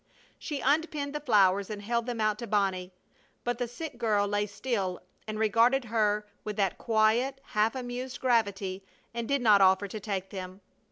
She unpinned the flowers and held them out to Bonnie, but the sick girl lay still and regarded her with that quiet, half amused gravity and did not offer to take them.